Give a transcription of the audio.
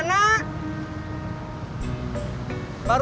udah jalan ya mbak